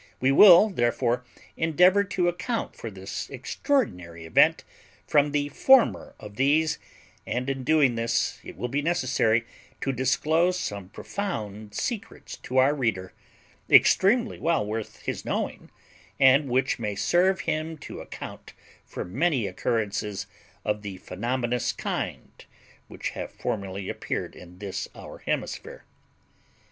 We will therefore endeavour to account for this extraordinary event from the former of these; and in doing this it will be necessary to disclose some profound secrets to our reader, extremely well worth his knowing, and which may serve him to account for many occurrences of the phenomenous kind which have formerly appeared in this our hemisphere.